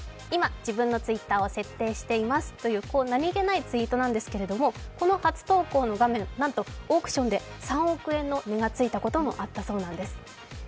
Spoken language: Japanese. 今、自分のＴｗｉｔｔｅｒを設定していますという何気ないツイートですがこの初投稿の画面、なんとオークションで３億円の値がついたこともあったそうです。